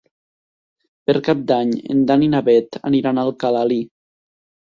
Per Cap d'Any en Dan i na Bet aniran a Alcalalí.